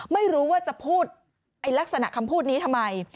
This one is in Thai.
ไม่รู้ว่าจะพูดลักษณะคำพูดนี้ทำไม